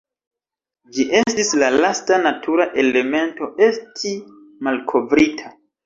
Ĝi estis la lasta natura elemento esti malkovrita.